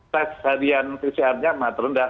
tax harian pcr nya emang terendah